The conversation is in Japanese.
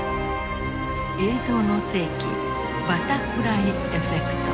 「映像の世紀バタフライエフェクト」。